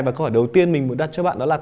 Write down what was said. và câu hỏi đầu tiên mình muốn đặt cho bạn đó là